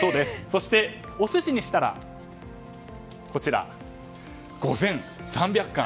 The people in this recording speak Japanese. そして、お寿司にしたら５３００貫。